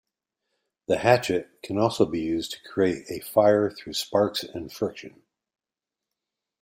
The hatchet can also be used to create a fire through sparks and friction.